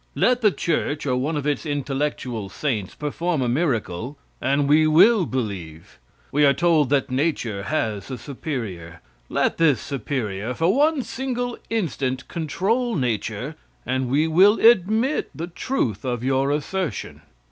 Let the church, or one of its intellectual saints, perform a miracle, and we will believe. We are told that nature has a superior. Let this superior, for one single instant, control nature, and we will admit the truth of your assertion.